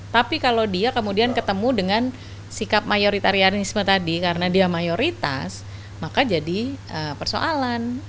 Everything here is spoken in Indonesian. tapi kalau dia kemudian ketemu dengan sikap mayoritarianisme tadi karena dia mayoritas maka jadi persoalan